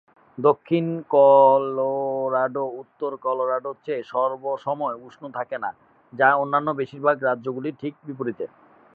দক্ষিণ কলোরাডো উত্তর কলোরাডোর চেয়ে সবসময় উষ্ণ থাকে না, যা অন্যান্য বেশিরভাগ রাজ্যগুলির ঠিক বিপরীত।